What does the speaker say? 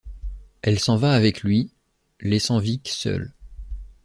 Elle s'en va avec lui, laissant Vic seul.